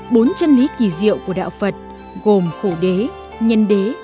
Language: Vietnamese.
bốn chân lý kỳ diệu của đạo phật gồm khổ đế nhân đế